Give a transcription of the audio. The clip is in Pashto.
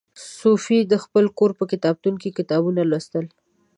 صوفي د خپل کور په کتابتون کې کتابونه لوستل.